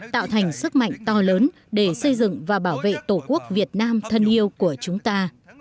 tạo thành sức mạnh to lớn để xây dựng và bảo vệ tổ quốc việt nam thân yêu của chúng ta